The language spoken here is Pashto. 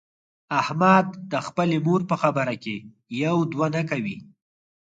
احمد د خپلې مور په خبره کې یو دوه نه کوي.